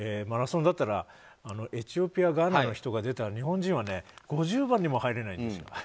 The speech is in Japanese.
マラソンだったらエチオピア、ガーナの人が出たら日本人は、５０番にも入れないんですよ。